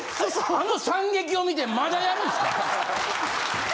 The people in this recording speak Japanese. あの惨劇を見てまだやるんすか？